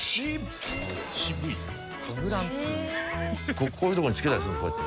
こういうところに付けたりするのこうやって。